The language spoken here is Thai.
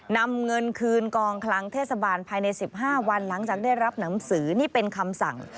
นำเงินคืนกองคลังเทศบาลภายใน๑๕วันหลังจากได้รับหนังสือนี่เป็นคำสั่ง